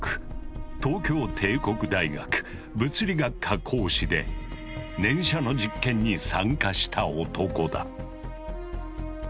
東京帝国大学・物理学科講師で念写の実験に参加した男だ。